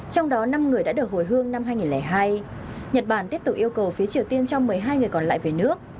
trong đó năm người đã được hồi hương năm hai nghìn hai nhật bản tiếp tục yêu cầu phía triều tiên cho một mươi hai người còn lại về nước